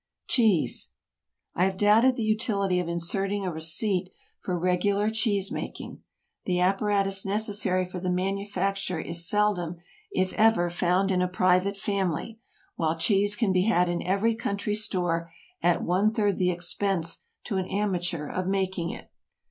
CHEESE. I have doubted the utility of inserting a receipt for regular cheese making. The apparatus necessary for the manufacture is seldom, if ever, found in a private family, while cheese can be had in every country store at one third the expense to an amateur of making it.